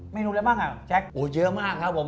ไม่รู้อะไรบ้างอ่ะแจ๊คโอ้เยอะมากครับผม